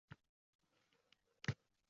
Qarg‘amang bechorani.